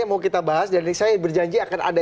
yang mau kita bahas dan saya berjanji akan ada